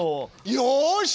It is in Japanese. よし！